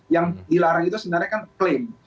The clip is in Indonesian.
yang dilarang itu sebenarnya kan klaim